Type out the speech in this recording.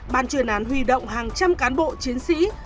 ban chuyên án huy động hàng trăm cán bộ chiến sĩ